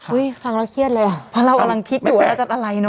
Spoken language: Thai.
อุ๊ยฟังแล้วเครียดเลยอะเพราะเรากำลังคิดดูว่าเราจัดอะไรเนอะ